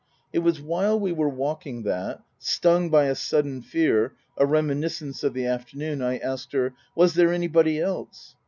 It was while we were walking that stung by a sudden fear, a reminiscence of the afternoon I asked her : Was there anybody else